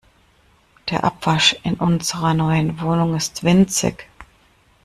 Der Abwasch in unserer neuen Wohnung ist winzig.